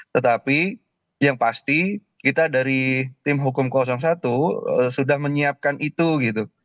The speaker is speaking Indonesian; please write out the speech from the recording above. tetapi yang pasti kita dari tim hukum satu sudah menyiapkan itu gitu